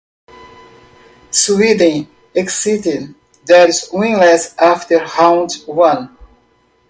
Sweden exited there winless after round one.